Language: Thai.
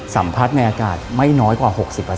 สัมผัสในอากาศไม่น้อยกว่า๖๐